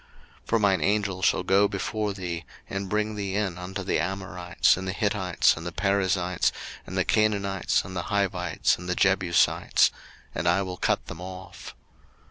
02:023:023 For mine Angel shall go before thee, and bring thee in unto the Amorites, and the Hittites, and the Perizzites, and the Canaanites, the Hivites, and the Jebusites: and I will cut them off.